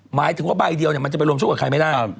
หมายถึงว่าใบเดียวมันจะไปรวมโชคกับใครไม่ได้